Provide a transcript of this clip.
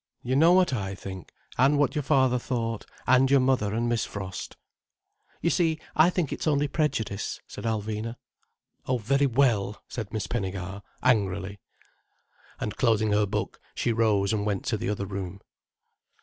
"You know what I think—and what your father thought—and your mother and Miss Frost—" "You see I think it's only prejudice," said Alvina. "Oh very well!" said Miss Pinnegar angrily. And closing her book, she rose and went to the other room.